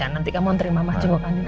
nanti kamu mau ogni mama jenguk andin